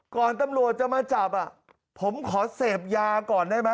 ตำรวจจะมาจับผมขอเสพยาก่อนได้ไหม